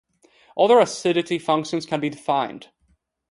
Other acidity functions can be defined.